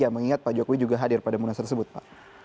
mengingat pak jokowi juga hadir pada munas tersebut pak